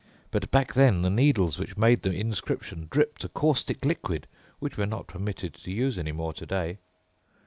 But back then the needles which made the inscription dripped a caustic liquid which we are not permitted to use any more today.